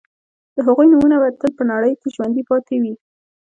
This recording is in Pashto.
د هغوی نومونه به تل په نړۍ کې ژوندي پاتې وي